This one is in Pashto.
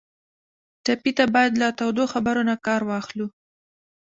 ټپي ته باید له تودو خبرو نه کار واخلو.